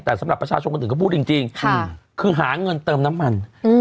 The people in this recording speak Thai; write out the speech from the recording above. แต่สำหรับประชาชนกันถึงเขาพูดจริงจริงค่ะคือหาเงินเติมน้ำมันอืม